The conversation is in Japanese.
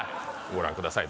ご覧ください